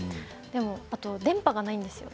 あと電波がないんですよ。